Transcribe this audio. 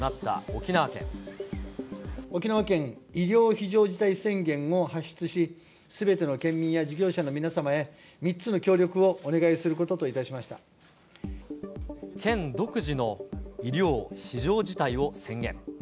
沖縄県医療非常事態宣言を発出し、すべての県民や事業者の皆様へ、３つの協力をお願いすることとい県独自の医療非常事態を宣言。